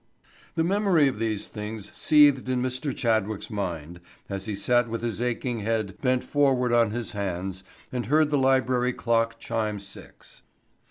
The memory of these things seethed in Mr. Chadwick's mind as he sat with his aching head bent forward on his hands and heard the library clock chime six.